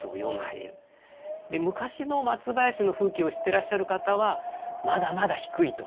で昔の松林の風景を知ってらっしゃる方はまだまだ低いと。